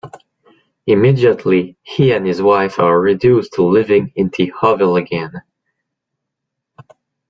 Immediately, he and his wife are reduced to living in the hovel again.